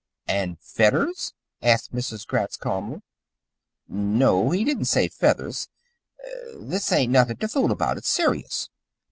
'" "And fedders?" asked Mrs. Gratz calmly. "No, he didn't say feathers. This ain't nothing to fool about. It's serious.